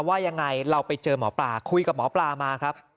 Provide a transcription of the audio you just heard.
ว่ายังไงเราไปเจอหมอปลาคุยกับหมอปลามาครับ